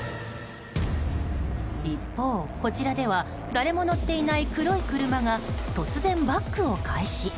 一方こちらでは誰も乗っていない黒い車が突然、バックを開始。